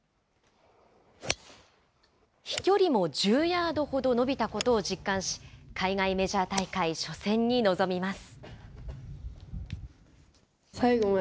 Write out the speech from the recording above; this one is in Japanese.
飛距離も１０ヤードほど伸びたことを実感し、海外メジャー大会初戦に臨みます。